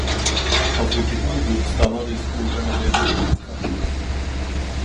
Han for till Hoby och stannade i skogarna mer än en vecka.